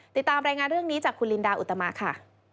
ติดตามรายงานเรื่องนี้จากคุณลินดาอุตมะค่ะ